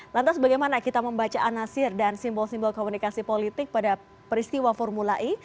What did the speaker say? lantas bagaimana kita membaca anasir dan simbol simbol komunikasi politik pada peristiwa formula e